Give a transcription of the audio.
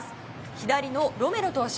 左のロメロ投手。